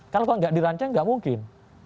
kalau tidak dirancang tidak mungkin